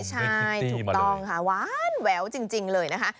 ใช่ถูกต้องค่ะหวานแววจริงเลยนะคะ